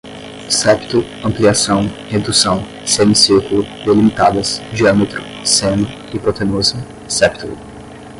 septo, ampliação, redução, semicírculo, delimitadas, diâmetro, seno, hipotenusa, septulo